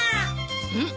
うん！？